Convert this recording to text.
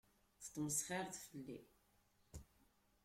Tesmesxireḍ fell-i.